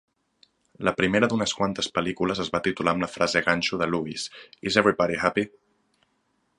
La primera d'unes quantes pel·lícules es va titular amb la frase ganxo de Lewis, Is Everybody Happy?